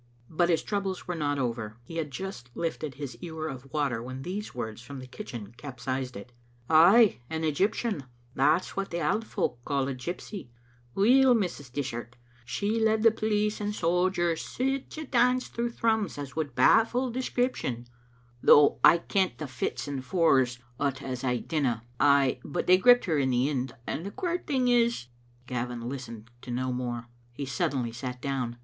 But his troubles were not over. He had just lifted his ewer of water when these words from the kitchen capsized it :—" Ay, an Egyptian. That's what the auld folk call a gypsy. Weel, Mrs. Dishart, she led police and sojers sic a dance through Thrums as would baffle description, Digitized by VjOOQ IC though I kent the fits and fors o't as I dimuu Ay, but they gripped her in the end, and the queer thing is " Gavin listened to no more. He suddenly sat down.